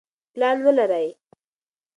پلان ولرئ.